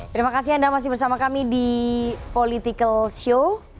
terima kasih anda masih bersama kami di politikals io